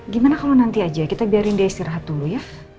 gimana kalau nanti aja kita biarin dia istirahat dulu ya